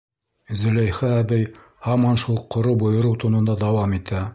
Зөләйха әбей һаман шул ҡоро, бойороу тонында дауам итә: